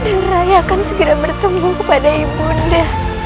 dan rai akan segera bertemu kepada ibunda